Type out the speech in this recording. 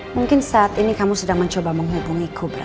mungkin saat ini kamu sedang mencoba menghubungiku bram